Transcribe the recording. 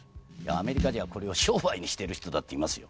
アメリカじゃこれを商売にしてる人だっていますよ。